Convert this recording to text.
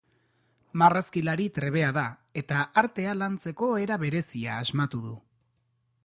Marrazkilari trebea da, eta artea lantzeko era berezia asmatu du.